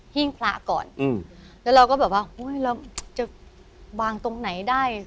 หิ้งพระก่อนอืมแล้วเราก็แบบว่าอุ้ยเราจะวางตรงไหนได้